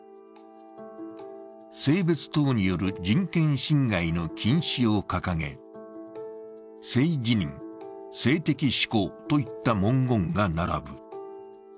性別等による人権侵害の禁止を掲げ、性自認、性的指向といった文言が並ぶ。